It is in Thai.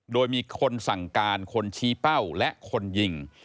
โดยมีคนสั่งการคนชี้เป้าและคนยิง